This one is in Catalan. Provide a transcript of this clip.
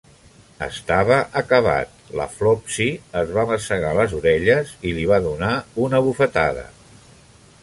Estava acabat. La Flopsy es va masegar les orelles i li va donar una bufetada.